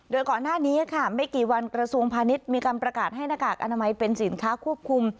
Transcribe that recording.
โดยก่อนหน้านี้ค่ะไม่กี่วันกระทรวงพาณิชย์มีการประกาศให้หน้ากากอนามัยเป็นสินค้าควบคุม